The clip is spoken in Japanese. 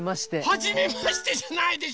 はじめましてじゃないでしょ！